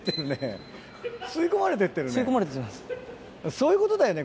そういうことだよね